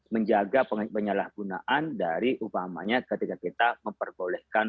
menjaga penyalahgunaan dari upamanya ketika kita memperbolehkan